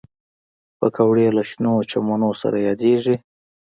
پکورې له شنو چمنو سره یادېږي